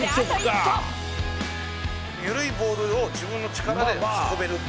緩いボールを自分の力で運べる。